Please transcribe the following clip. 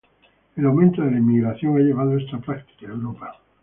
El aumento de la inmigración ha llevado esta práctica a Europa.